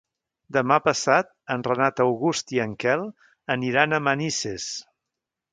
Demà passat en Renat August i en Quel aniran a Manises.